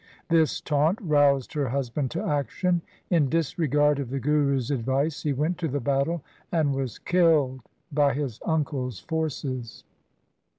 This taunt roused her husband to action. In disregard of the Guru's advice he went to battle and was killed by his uncle's forces.